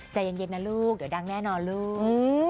ใจเย็นนะลูกเดี๋ยวดังแน่นอนลูก